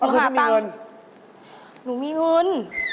เราไม่มีเงิน